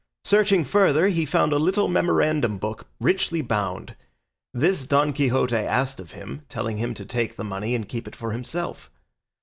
Searching further he found a little memorandum book richly bound; this Don Quixote asked of him, telling him to take the money and keep it for himself.